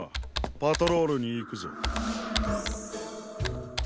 パトロールにいくぞ。